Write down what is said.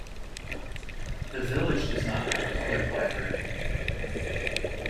The village does not have a public library.